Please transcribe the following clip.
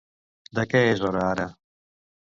De què és hora ara?